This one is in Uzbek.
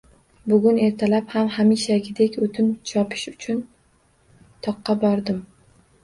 Bugun ertalab ham, hamishagidek o‘tin chopish uchun toqqa bordim.